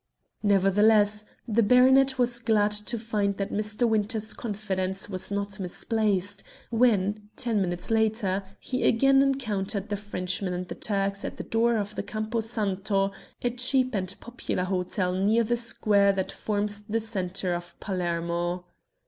Nevertheless the baronet was glad to find that Mr. Winter's confidence was not misplaced, when, ten minutes later, he again encountered the Frenchman and the Turks at the door of the Campo Santo, a cheap and popular hotel near the square that forms the centre of Palermo.